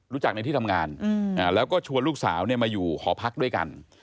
รู้จักในที่ทำงานแล้วก็ชวนลูกสาวมาอยู่หอพักด้วยกัน